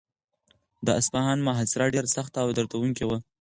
د اصفهان محاصره ډېره سخته او دردونکې وه.